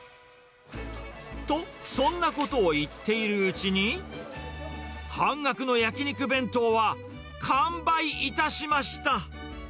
と、そんなことを言っているうちに、半額の焼き肉弁当は完売いたしました。